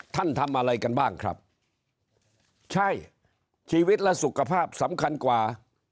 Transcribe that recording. ทำอะไรกันบ้างครับใช่ชีวิตและสุขภาพสำคัญกว่า